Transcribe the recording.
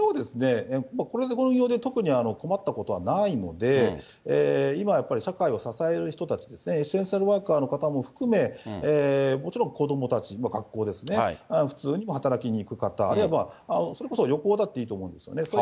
これを、この運用で特に困ったことはないので、今やっぱり社会を支える人たちですね、エッセンシャルワーカーの方も含め、もちろん子どもたち、学校ですね、普通に働きに行く方、あるいはそれこそ旅行だっていいと思うんですね。